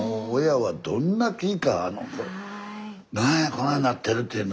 なんやこないになってるっていうの。